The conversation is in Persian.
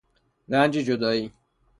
رنج جدایی